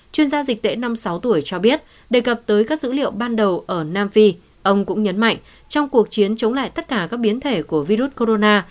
chuyên gia dịch tễ năm mươi sáu tuổi cho biết đề cập tới các dữ liệu ban đầu ở nam phi ông cũng nhấn mạnh trong cuộc chiến chống lại tất cả các biến thể của virus corona